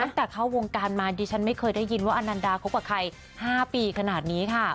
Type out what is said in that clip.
ตั้งแต่เข้าวงการมาดิฉันไม่เคยได้ยินว่าอนันดาคบกับใคร๕ปีขนาดนี้ค่ะ